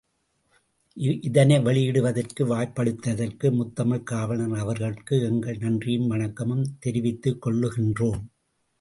இதனை வெளியிடுவதற்கு வாய்ப்பளித்ததற்கு முத்தமிழ்க் காவலர் அவர்கட்கு எங்கள் நன்றியும் வணக்கமும் தெரிவித்துக் கொள்ளுகின்றோம்.